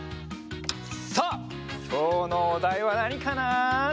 さあきょうのおだいはなにかな？